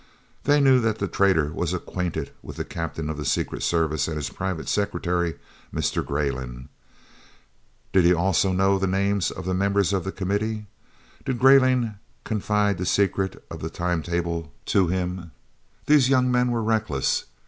They knew that the traitor was acquainted with the Captain of the Secret Service and his private secretary Mr. Greyling. Did he also know the names of the members of the Committee? Did Greyling confide the secret of the time table to him? These young men were reckless.